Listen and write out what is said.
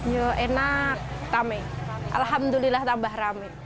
ya enak rame alhamdulillah tambah rame